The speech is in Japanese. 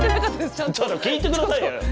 ちょっと聞いて下さいよ。